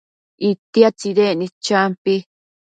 itia tsidecnid champi